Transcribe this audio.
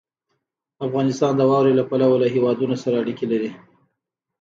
افغانستان د واورې له پلوه له هېوادونو سره اړیکې لري.